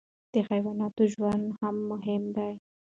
د حیواناتو ژوند هم مهم دی.